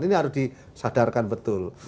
ini harus disadarkan betul